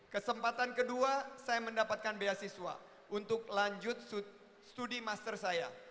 kesempatan kedua saya mendapatkan beasiswa untuk lanjut studi master saya